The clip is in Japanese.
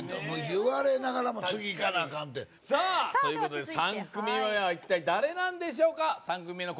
言われながらも次いかなアカンてさあということで３組目は一体誰なんでしょうか？